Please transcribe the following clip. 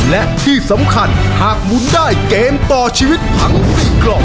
และที่สำคัญหากหมุนได้เกมต่อชีวิตทั้ง๔กล่อง